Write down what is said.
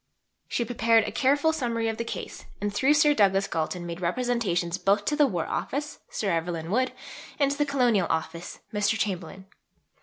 She prepared a careful summary of the case, and through Sir Douglas Galton made representations both to the War Office (Sir Evelyn Wood) and to the Colonial Office (Mr. Chamberlain).